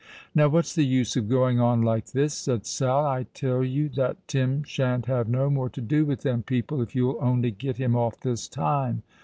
"Now, what's the use of going on like this?" said Sal. "I tell you that Tim shan't have no more to do with them people, if you'll only get him off this time.